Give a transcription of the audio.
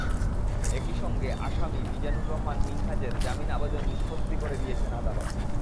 একই সঙ্গে আসামি মিজানুর রহমান মিনহাজের জামিন আবেদন নিষ্পত্তি করে দিয়েছেন আদালত।